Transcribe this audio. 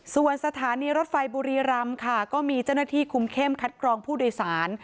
ส่วนสถานีรถไฟบุรีรำค่ะก็มีเจ้าหน้าที่คุมเข้มคัดกรองผู้โดยสาร